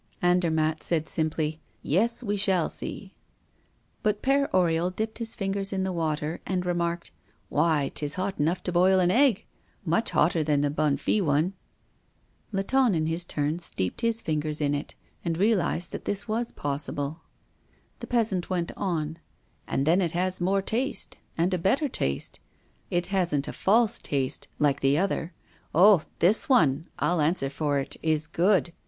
Andermatt said simply: "Yes, we shall see." But Père Oriol dipped his fingers in the water, and remarked: "Why, 'tis hot enough to boil an egg, much hotter than the Bonnefille one!" Latonne in his turn steeped his fingers in it, and realized that this was possible. The peasant went on: "And then it has more taste and a better taste; it hasn't a false taste, like the other. Oh! this one, I'll answer for it, is good!